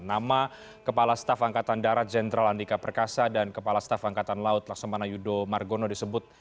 nama kepala staf angkatan darat jenderal andika perkasa dan kepala staf angkatan laut laksamana yudo margono disebut